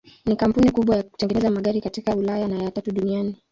Ni kampuni kubwa ya kutengeneza magari katika Ulaya na ya tatu duniani.